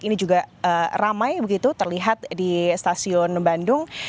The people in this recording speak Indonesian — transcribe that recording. ini juga ramai begitu terlihat di stasiun bandung